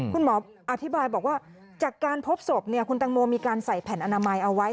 คุณหมออธิบายบอกว่าจากการพบศพคุณตังโมมีการใส่แผ่นอนามัยเอาไว้